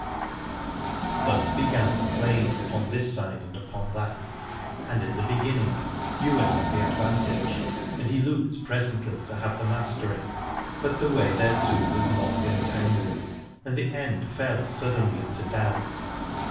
Thus began the playing upon this side and upon that : and in the beginning Ywain had the advantage, and he looked presently to have the mastery. But the way thereto was long and tangled, and the end fell suddenly into doubt.